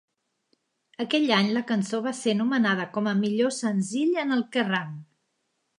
Aquell any la cançó va ser nomenada com a Millor senzill en el Kerrang!